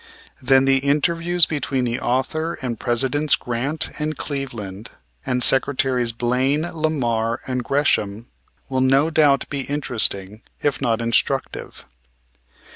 Then the interviews between the author and Presidents Grant and Cleveland, and Secretaries Blaine, Lamar, and Gresham will no doubt be interesting, if not instructive.